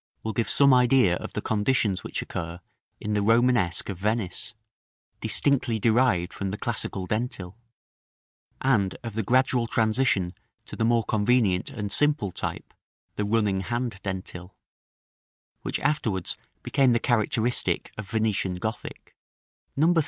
will give some idea of the conditions which occur in the Romanesque of Venice, distinctly derived from the classical dentil; and of the gradual transition to the more convenient and simple type, the running hand dentil, which afterwards became the characteristic of Venetian Gothic. No.